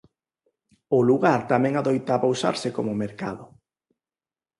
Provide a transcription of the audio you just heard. O lugar tamén adoitaba usarse como mercado.